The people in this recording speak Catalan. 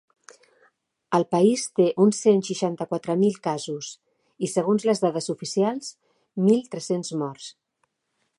El país té uns cent seixanta-quatre mil casos, i segons les dades oficials, mil tres-cents morts.